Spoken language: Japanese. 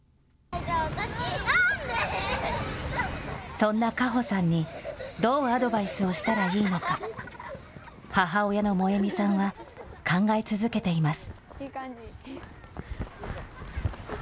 そんな佳歩さんに、どうアドバイスをしたらいいのか、母親の萌美さんは考え続けています。